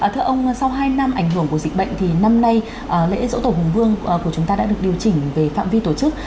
thưa ông sau hai năm ảnh hưởng của dịch bệnh thì năm nay lễ dỗ tổ hùng vương của chúng ta đã được điều chỉnh về phạm vi tổ chức